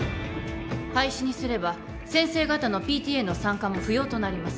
廃止にすれば先生方のＰＴＡの参加も不要となります